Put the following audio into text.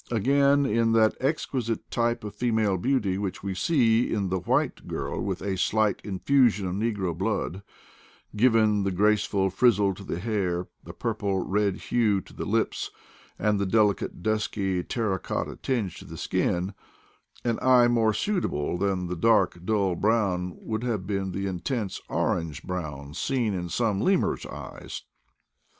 Again in that exquisite type of female beauty which we see in the white girl witB a slight infusion of negro blood, giving the grace ful frizzle to the hair, the purple red hue to the lips, and the delicate dusky terra cotta tinge to the skin, an eye more suitable than the dark dull brown would have been the intense orange brown seen in some lemur's eyes.